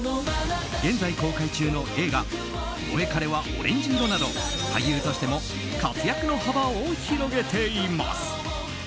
現在公開中の映画「モエカレはオレンジ色」など俳優としても活躍の幅を広げています。